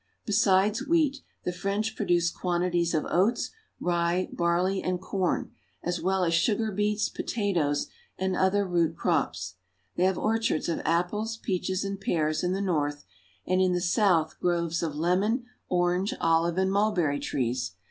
Besides wheat, the French produce quantities of oats, rye, barley, and corn, as well as sugar beets, pota toes, and other root crops. They have orchards of apples, peaches, and pears in the north, and in the south groves of lemon, orange, olive, and mulberry trees.